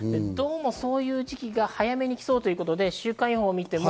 そういう時期が早めに来そうということで週間予報です。